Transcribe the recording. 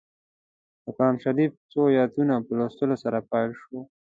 د قران شریف څو ایتونو په لوستلو سره پیل شوه.